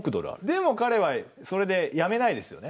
でも彼はそれでやめないですよね。